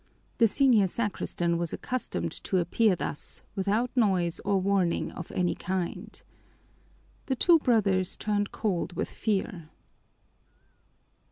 The senior sacristan was accustomed to appear thus without noise or warning of any kind. The two brothers turned cold with fear.